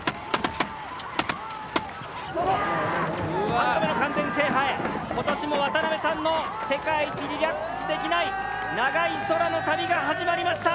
３度目の完全制覇へ今年も渡邊さんの世界一リラックスできない長い空の旅が始まりました。